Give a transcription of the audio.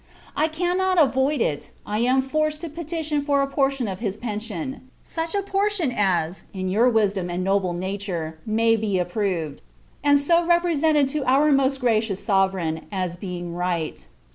I cannot avoid it, I am forced to petition for a portion of his pension: such a portion as, in your wisdom and noble nature, may be approved; and so represented to our most gracious Sovereign, as being right.